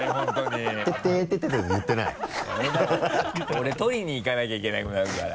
俺録りに行かなきゃいけなくなるから。